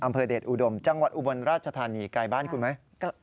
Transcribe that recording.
อำเภอเดชอุดมจังหวัดอุบลราชธานีไกลบ้านคุณไหม